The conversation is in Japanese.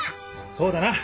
そうだな！